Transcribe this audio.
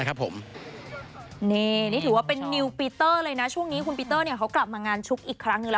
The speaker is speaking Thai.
คุณนิวปีเตอร์เลยนะช่วงนี้คุณปีเตอร์เนี่ยเขากลับมางานชุกอีกครั้งหนึ่งแล้ว